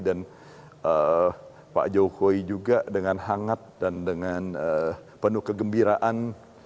dan pak jokowi juga dengan hangat dan dengan penuh kegembiraan